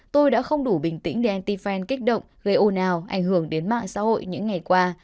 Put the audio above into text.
tôi đã không đủ bình tĩnh để anti fan kích động gây ồn ào ảnh hưởng đến mạng xã hội những ngày qua